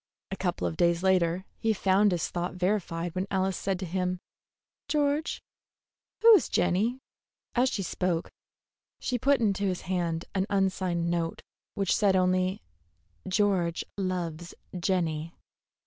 A couple of days later he found his thought verified when Alice said to him: "George, who is Jenny?" As she spoke, she put into his hand an unsigned note which said only, "George loves Jenny."